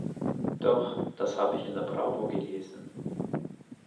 Doch, das habe ich in der Bravo gelesen!